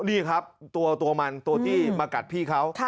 นี่ครับตัวมันตัวที่มากัดพี่เขา